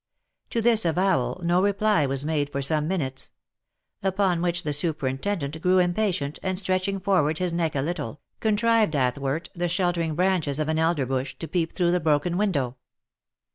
To this avowal, no reply was made for some minutes; upon which the superintendent grew impatient, and stretching forward his neck a little, contrived athwart the sheltering branches of an elder bush, to peep through the broken window.